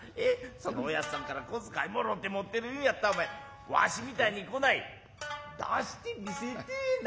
その親父さんから小遣いもろうて持ってる言うんやったらお前わしみたいにこない出して見せてえな。